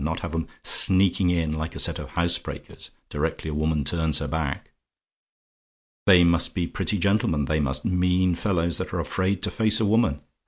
not have 'em sneaking in, like a set of housebreakers, directly a woman turns her back. They must be pretty gentlemen, they must; mean fellows, that are afraid to face a woman!